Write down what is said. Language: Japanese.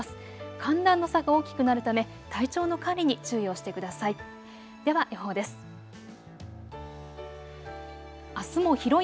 寒暖の差が大きくなるため体調の管理に注意をしてください。